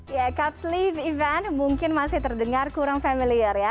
ya cups leave event mungkin masih terdengar kurang familiar ya